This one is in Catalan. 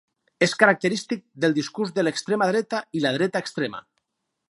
És característic del discurs de l'extrema dreta i la dreta extrema.